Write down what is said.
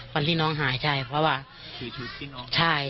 วันที่น้องหายใช่คือที่น้องหาย